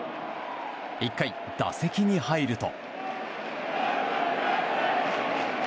１回、打席に入ると。